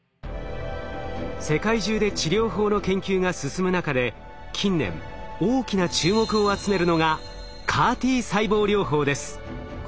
世界中で治療法の研究が進む中で近年大きな注目を集めるのがＣＡＲ−Ｔ細胞。